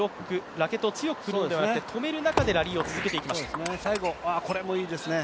ラケットを強く振るのではなくて、止める中でラリーを取りました。